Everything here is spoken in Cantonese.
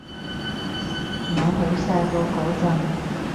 我好細個嗰陣